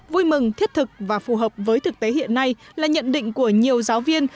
vui mừng thiết thực và phù hợp với thực tế hiện nay là nhận định của nhiều giáo viên